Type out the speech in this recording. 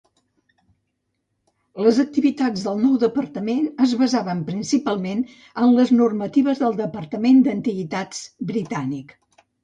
Les activitats del nou departament es basaven principalment en les normatives del Departament d'Antiguitats britànic.